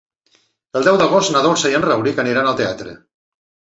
El deu d'agost na Dolça i en Rauric aniran al teatre.